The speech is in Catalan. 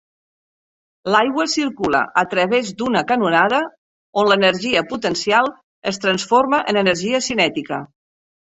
L'aigua circula a través d'una canonada on l'energia potencial es transforma en energia cinètica.